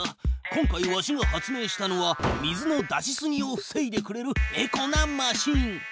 今回わしが発明したのは水の出しすぎをふせいでくれるエコなマシーン。